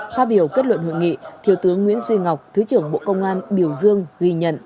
phát biểu kết luận hội nghị thiếu tướng nguyễn duy ngọc thứ trưởng bộ công an biểu dương ghi nhận